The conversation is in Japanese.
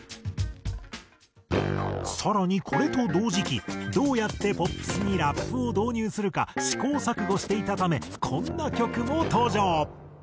さらにこれと同時期どうやってポップスにラップを導入するか試行錯誤していたためこんな曲も登場。